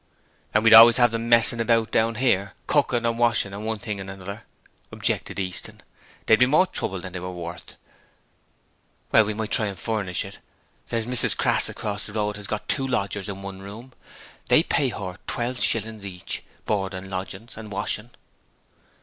'And we'd always have them messing about down here, cooking and washing and one thing and another,' objected Easton; 'they'd be more trouble than they way worth.' 'Well, we might try and furnish it. There's Mrs Crass across the road has got two lodgers in one room. They pay her twelve shillings a week each; board, lodging and washing.